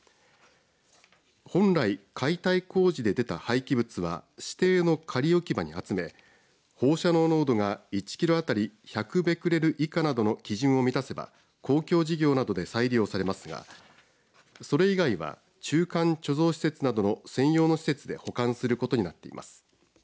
本来、解体工事で出た廃棄物は指定の仮置き場に集め放射能濃度が１キロ当たり１００ベクレル以下などの基準を満たせば公共事業などで再利用されますがそれ以外は中間貯蔵施設などの専用の施設で保管することになっています。